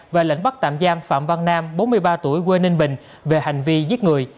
và lệnh bắt tạm giam phạm văn nam bốn mươi ba tuổi quê ninh bình về hành vi giết người